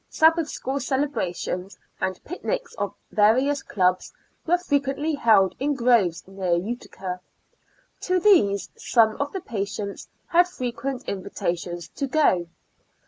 Sabbath school celebrations, and picnics of various clubs were frequently held in groves near Utica. To these, some of the patients had frequent invitations to go.